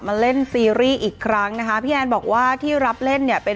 มาเล่นซีรีส์อีกครั้งนะคะพี่แอนบอกว่าที่รับเล่นเนี่ยเป็น